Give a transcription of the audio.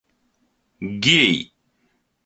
Гей!